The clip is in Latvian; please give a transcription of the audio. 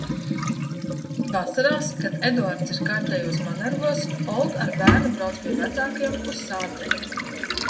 Vasarās, kad Eduards ir kārtējos manevros, Olga ar bērnu brauc pie vecākiem uz Sātiem.